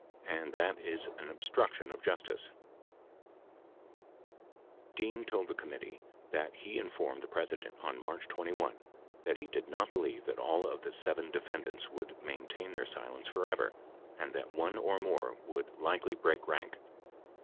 And that is an obstruction of justice, [p. 187.] [Emphasis added throughout.] Dean told the committee that he informed the President on March 21 that he did not believe that all of the seven defendants would main tain their silence forever and that one or more would likely break rank.